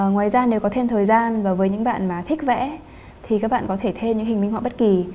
ngoài ra nếu có thêm thời gian và với những bạn mà thích vẽ thì các bạn có thể thêm những hình minh họa bất kỳ